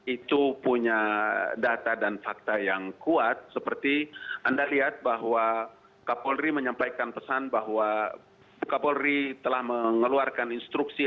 itu punya data dan fakta yang kuat seperti anda lihat bahwa kapolri menyampaikan pesan bahwa kapolri telah mengeluarkan instruksi